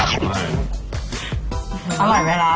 อร่อยไหมล่ะ